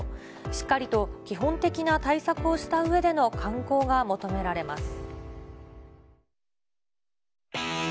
しっかりと基本的な対策をしたうえでの観光が求められます。